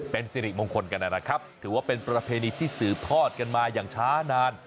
เป็นสิริมงคลกันนะครับถือว่าเป็นประเพณีที่สืบทอดกันมาอย่างช้านาน